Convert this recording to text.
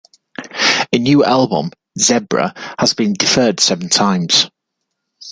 A new album, "Zebra", has been deferred several times.